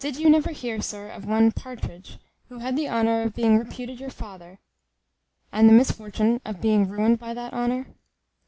Did you never hear, sir, of one Partridge, who had the honour of being reputed your father, and the misfortune of being ruined by that honour?"